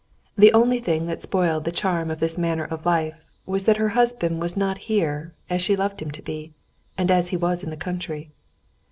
The only thing that spoiled the charm of this manner of life was that her husband was not here as she loved him to be, and as he was in the country.